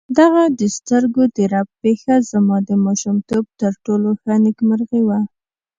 دغه د سترګو د رپ پېښه زما د ماشومتوب تر ټولو ښه نېکمرغي وه.